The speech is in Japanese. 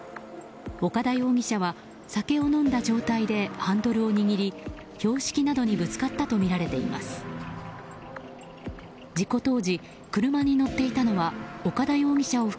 岡田容疑者は酒を飲んだ状態でハンドルを握り標識などにぶつかったとみられています。